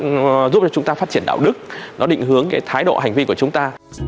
nó giúp cho chúng ta phát triển đạo đức nó định hướng cái thái độ hành vi của chúng ta